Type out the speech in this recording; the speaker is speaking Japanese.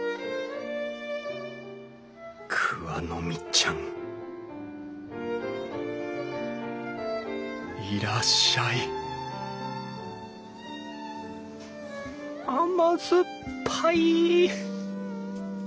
桑の実ちゃんいらっしゃい甘酸っぱい！